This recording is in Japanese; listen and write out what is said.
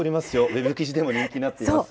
ウェブ記事でも人気になっています。